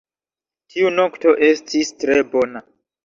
Tiu nokto estis tre bona